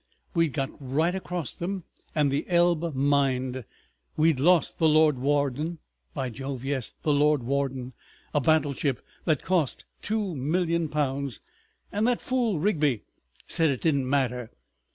We'd got right across them and the Elbe mined. We'd lost the Lord Warden. By Jove, yes. The Lord Warden! A battleship that cost two million pounds—and that fool Rigby said it didn't matter!